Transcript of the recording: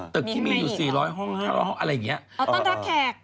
ตึกที่อยู่๔๐๐ห้องหรอก